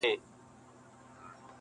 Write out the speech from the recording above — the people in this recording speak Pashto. د سټیج له سر څخه -